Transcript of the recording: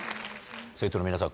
生徒の皆さん。